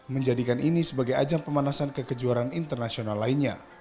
menjadikan ini sebagai ajang pemanasan ke kejuaraan internasional lainnya